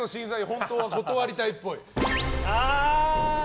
本当は断りたいっぽい。